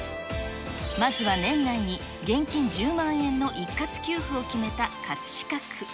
まずは年内に現金１０万円の一括給付を決めた葛飾区。